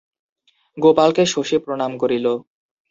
গোপালকে শশী প্রণাম করিল।